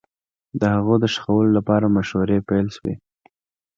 د هغه د ښخولو لپاره مشورې پيل سوې